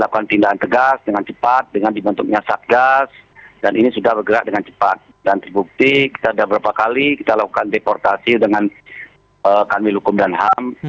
kami melakukan deportasi dengan karmi lukum dan ham